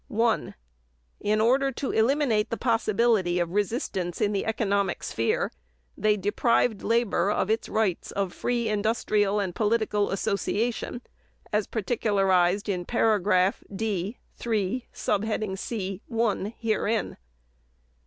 1. In order to eliminate the possibility of resistance in the economic sphere, they deprived labor of its rights of free industrial and political association as particularized in paragraph (D) 3 (c) (1) herein.